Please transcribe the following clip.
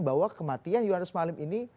bahwa kematian yohannes malim ini